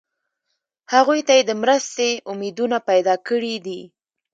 هغوی ته یې د مرستې امیدونه پیدا کړي دي.